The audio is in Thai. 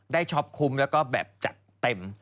ช็อปคุ้มแล้วก็แบบจัดเต็ม